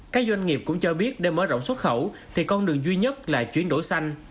các doanh nghiệp cũng cho biết để mở rộng xuất khẩu thì con đường duy nhất là chuyển đổi xanh